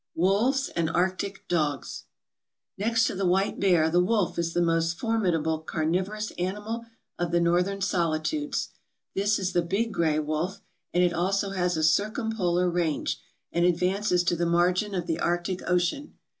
Wolves and Arctic Dogs Next to the white bear the wolf is the most formidable car nivorous animal of the northern solitudes. This is the big gray wolf, and it also has a circumpolar range, and advances to the margin of the Arctic Ocean.